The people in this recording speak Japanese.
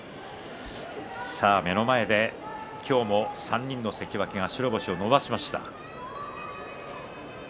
目の前で今日も３人の関脇が白星を伸ばしました。